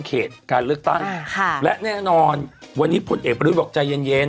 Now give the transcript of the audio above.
เขตการเลือกตั้งและแน่นอนวันนี้พลเอกประยุทธ์บอกใจเย็นเย็น